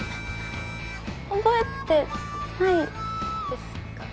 覚えてないですか？